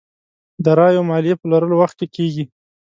داراییو ماليې پلورلو وخت کې کېږي.